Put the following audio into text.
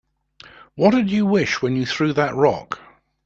What'd you wish when you threw that rock?